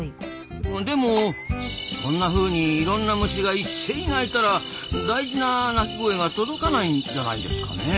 でもこんなふうにいろんな虫が一斉に鳴いたら大事な鳴き声が届かないんじゃないですかねえ。